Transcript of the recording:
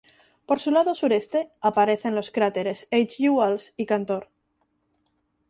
Por su lado sureste, aparecen los cráteres H. G. Wells y Cantor.